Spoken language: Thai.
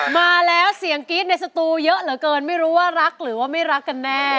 มาแล้วเสียงกรี๊ดในสตูเยอะเหลือเกินไม่รู้ว่ารักหรือว่าไม่รักกันแน่